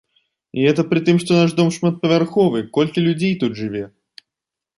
І гэта пры тым, што наш дом шматпавярховы, колькі людзей тут жыве!